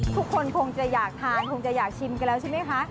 คงจะอยากทานคงจะอยากชิมกันแล้วใช่ไหมคะ